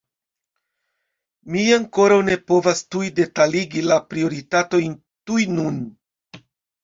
Mi ankoraŭ ne povas tuj detaligi la prioritatojn tuj nun.